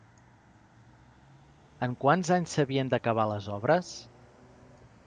En quants anys s'havien d'acabar les obres?